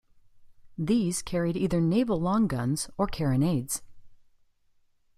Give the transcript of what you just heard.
These carried either naval long guns or carronades.